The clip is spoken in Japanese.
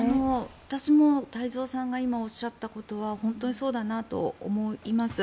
私も太蔵さんが今、おっしゃったことは本当にそうだなと思います。